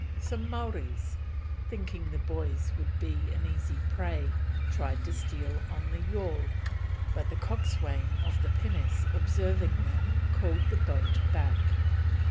Some Maoris, thinking the boys would be an easy prey, tried to steal on the yawl, but the coxswain of the pinnace observing them called the boat back.